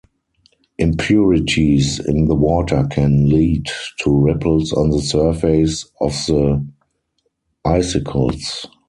Impurities in the water can lead to ripples on the surface of the icicles.